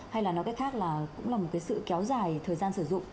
hay là nói cách khác là cũng là một cái sự kéo dài thời gian sử dụng